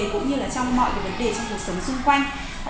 cũng như là trong mọi vấn đề trong cuộc sống xung quanh